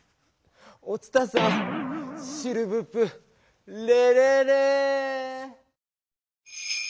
お伝さんシルヴプレレレ！